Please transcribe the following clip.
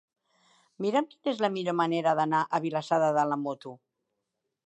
Mira'm quina és la millor manera d'anar a Vilassar de Dalt amb moto.